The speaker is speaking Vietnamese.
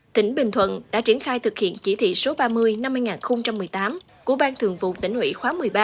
tỉnh bình thuận đã triển khai thực hiện chỉ thị số ba mươi năm hai nghìn một mươi tám của ban thường vụ tỉnh hủy khóa một mươi ba